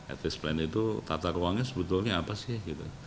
advice plan itu tata ruangnya sebetulnya apa sih